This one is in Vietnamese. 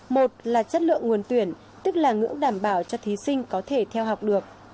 một là chất lượng nguồn tuyển tức là ngưỡng đảm bảo cho thí sinh có thể theo học được